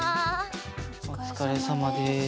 おつかれさまです。